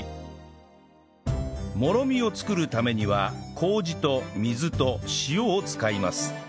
もろみを作るためには麹と水と塩を使います